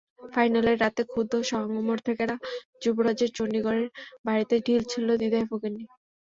ফাইনালের রাতে ক্ষুব্ধ সমর্থকেরা যুবরাজের চণ্ডীগড়ের বাড়িতে ঢিল ছুড়তেও দ্বিধায় ভোগেননি।